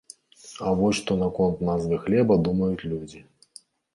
А вось што наконт назвы хлеба думаюць людзі.